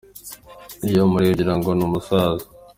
iyo umurebye ugira ngo ni umusaza.